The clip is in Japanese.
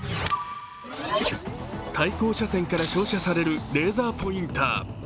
対向車線から照射されるレーザーポインター。